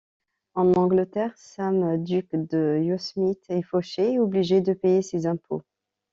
En Angleterre, Sam, duc de Yosemite, est fauché et obligé de payer ses impôts.